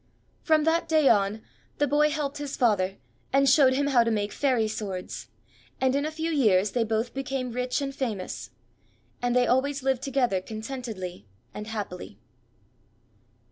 From that day on, the boy helped his father, and showed him how to make Fairy swords, and in a few years they both became rich and famous. And they always lived together contentedly and happily.